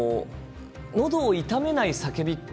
のどを痛めない叫び方